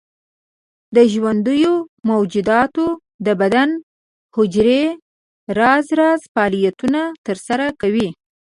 د ژوندیو موجوداتو د بدن حجرې راز راز فعالیتونه تر سره کوي.